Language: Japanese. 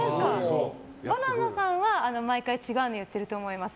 バナナさんは、毎回違うのを言っていると思います。